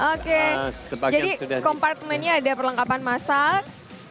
oke jadi kompartemennya ada perlengkapan masal